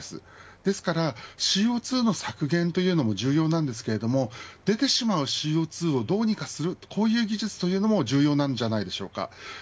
ですから、ＣＯ２の削減というのも重要なんですけれども出てしまうＣＯ２をどうにかするこういう技術も必要なのではないでしょうか。